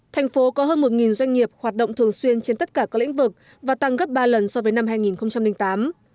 thành phố có hơn một doanh nghiệp hoạt động thường xuyên trên tất cả các lĩnh vực và tăng gấp ba lần so với năm hai nghìn tám